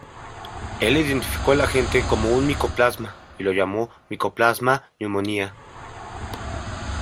Él identificó el agente como un "Mycoplasma" y lo llamó "Mycoplasma pneumoniae".